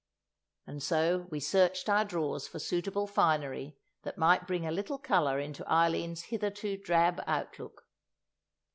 And so we searched our drawers for suitable finery that might bring a little colour into Eileen's hitherto drab outlook.